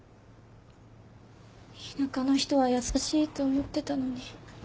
田舎の人は優しいと思ってたのに。